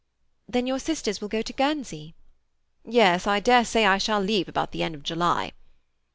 "Then your sisters will go to Guernsey?" "Yes. I dare say I shall leave about the end of July."